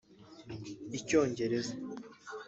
Icyongereza